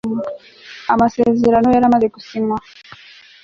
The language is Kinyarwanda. amasezerano yaramaze gusinywa